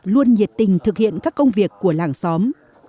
luôn nhiệt tình thực hiện các công việc của làng xóm